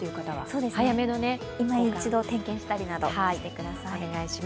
いま一度点検したりなどしてください。